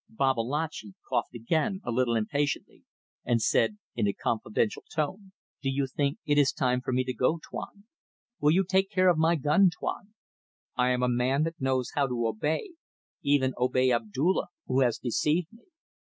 Babalatchi coughed again a little impatiently, and said in a confidential tone "Do you think it is time for me to go, Tuan? Will you take care of my gun, Tuan? I am a man that knows how to obey; even obey Abdulla, who has deceived me.